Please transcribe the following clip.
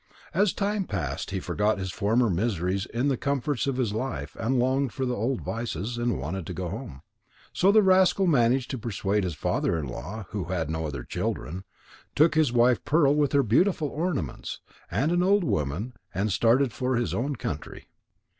As time passed, he forgot his former miseries in the comforts of his life, and longed for the old vices, and wanted to go home. So the rascal managed to persuade his father in law, who had no other children, took his wife Pearl with her beautiful ornaments, and an old woman, and started for his own country.